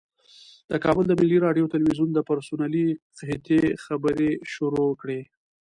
د کابل د ملي راډیو تلویزیون د پرسونلي قحطۍ خبرې شروع کړې.